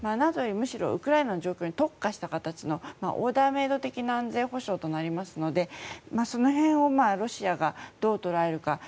ＮＡＴＯより、むしろウクライナの状況に特化した形のオーダーメイド的な安全保障となりますのでその辺をロシアがどう捉えるか。